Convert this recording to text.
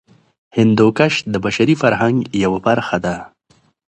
هندوکش د بشري فرهنګ یوه برخه ده.